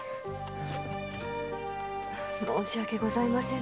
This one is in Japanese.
申し訳ございません。